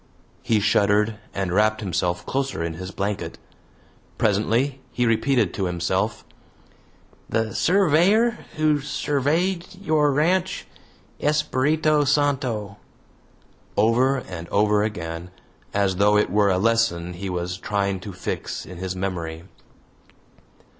He shuddered and wrapped himself closer in his blanket. Presently he repeated to himself "The surveyor who surveyed your ranch Espiritu Santo" over and over again, as though it were a lesson he was trying to fix in his memory.